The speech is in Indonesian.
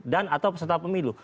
dan atau peserta pemilu